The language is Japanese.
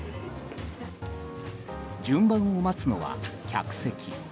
順番を待つのは客席。